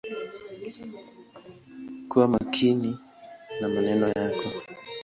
Kuwa makini na maneno yako.